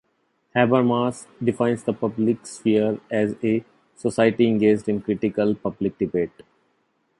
Habermas defines the public sphere as a "society engaged in critical public debate".